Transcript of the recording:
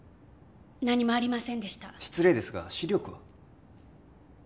何もありませんでした失礼ですが視力は？